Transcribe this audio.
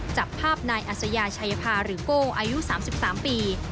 จับภาพนายอัศยาชัยภาหรือโก้อายุ๓๓ปี